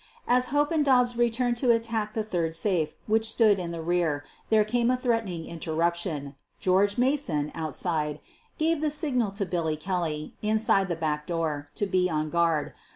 As Hope and Dobbs returned to attack the third safe, which stood in the rear, there came a threat 204 SOPHIE LYONS ened interruption. George Mason, outside, gave the signal to Billy Kelly, inside the back door, to be on guard.